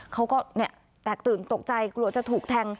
เขาก็แตกตื่นตกใจกลัวจะถูกแทง